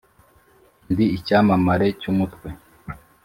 Ndi icyamamare cy'umutwe,